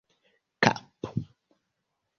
kapo